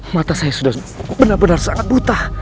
mata saya sudah benar benar sangat buta